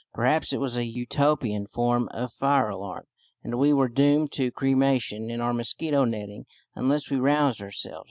Perhaps it was a Utopian form of fire alarm, and we were doomed to cremation in our mosquito netting unless we roused ourselves.